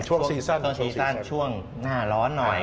ช่วงเวลาช่วงหน้าร้อนหน่อย